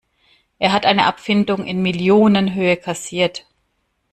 Er hat eine Abfindung in Millionenhöhe kassiert.